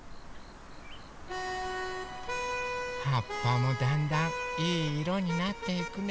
はっぱもだんだんいいいろになっていくね。